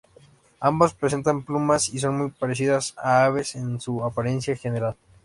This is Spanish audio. Ambas presentan plumas y son muy parecidas a aves en su apariencia general.